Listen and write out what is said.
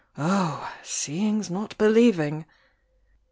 Oh! seeing's not believing!